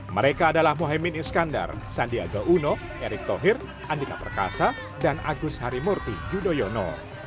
mereka adalah mohaimin iskandar sandiaga uno erick thohir andika perkasa dan agus harimurti yudhoyono